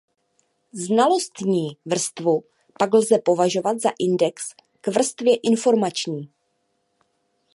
Znalostní vrstvu pak lze považovat za index k vrstvě informační.